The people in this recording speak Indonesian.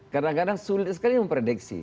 kadang kadang sulit sekali memprediksi